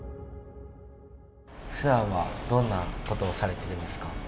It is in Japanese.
ふだんはどんなことをされてるんですか？